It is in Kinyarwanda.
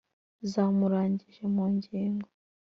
zamurangije mu ngingo.